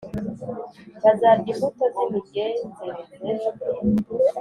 bazarya imbuto z imigenzereze